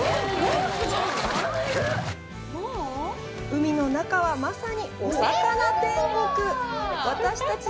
海の中はまさにお魚天国私たち